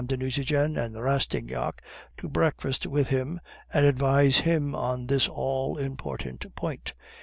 de Nucingen and Rastignac to breakfast with him and advise him on this all important point.